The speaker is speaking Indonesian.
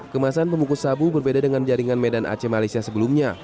kemasan pemukus sabu berbeda dengan jaringan medan aceh malaysia sebelumnya